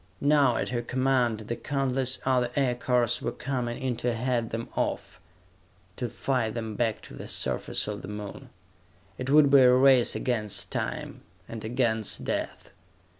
Now, at her command, the countless other aircars were coming in to head them off, to fight them back to the surface of the Moon. It would be a race against time, and against death.